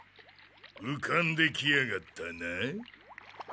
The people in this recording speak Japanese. うかんできやがったな。